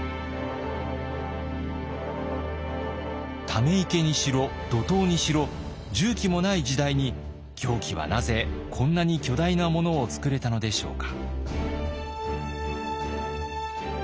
ため池にしろ土塔にしろ重機もない時代に行基はなぜこんなに巨大なものをつくれたのでしょうか。